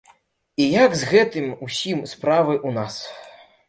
І як з гэтым усім справы ў нас.